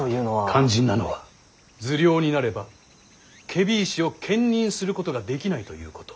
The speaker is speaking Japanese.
肝心なのは受領になれば検非違使を兼任することができないということ。